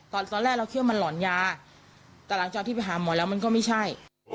ตอนแรกเราคิดว่ามันหลอนยาแต่หลังจากที่ไปหาหมอแล้วมันก็ไม่ใช่